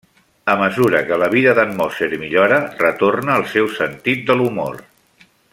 A mesura que la vida d'en Moser millora, retorna el seu sentit de l'humor.